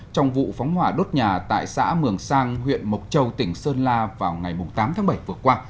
trong vụ phóng hỏa đốt nhà tại xã mường sang huyện mộc châu tỉnh sơn la vào ngày tám tháng bảy vừa qua